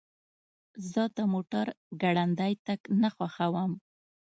زه د موټر ګړندی تګ نه خوښوم.